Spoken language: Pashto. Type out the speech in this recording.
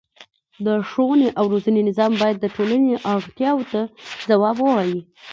د ښوونې او روزنې نظام باید د ټولنې اړتیاوو ته ځواب ووايي.